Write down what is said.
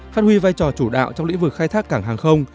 phát huy vai trò chủ đạo trong lĩnh vực khai thác cảng hàng không